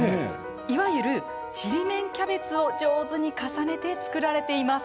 いわゆる、ちりめんキャベツを上手に重ねて作られています。